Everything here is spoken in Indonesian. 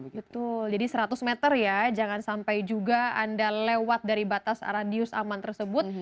betul jadi seratus meter ya jangan sampai juga anda lewat dari batas radius aman tersebut